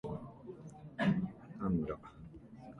『ありがとう』、『頑張ったね』、『大好き』を大切にして生きていく